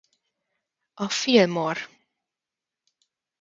A Fillmore!